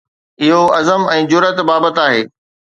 اهو عزم ۽ جرئت بابت آهي.